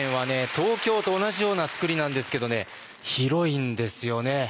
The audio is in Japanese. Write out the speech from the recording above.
東京と同じような作りなんですけどね広いんですよね。